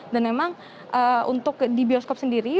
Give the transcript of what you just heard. dan memang untuk di bioskop sendiri